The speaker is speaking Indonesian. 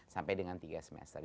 sampai dengan tiga semester